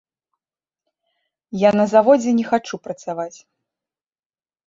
Я на заводзе не хачу працаваць.